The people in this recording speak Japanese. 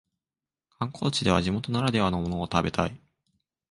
観光地では地元ならではのものを食べたい